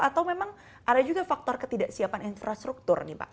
atau memang ada juga faktor ketidaksiapan infrastruktur nih pak